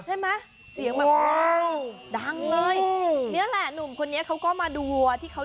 ใช่ไหมเสียงแบบอ้าวดังเลยอืมนี่แหละหนุ่มคนนี้เขาก็มาดูวัวที่เขา